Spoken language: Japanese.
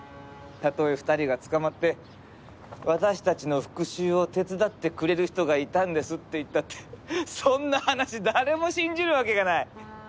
たとえ２人が捕まって私たちの復讐を手伝ってくれる人がいたんですって言ったってそんな話誰も信じるわけがない！